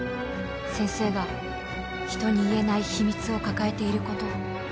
先生が人に言えない秘密を抱えていることを。